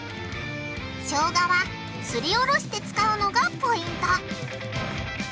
しょうがはすりおろして使うのがポイント。